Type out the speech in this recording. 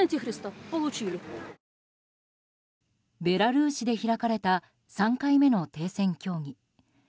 ベラルーシで開かれた３回目の停戦協議。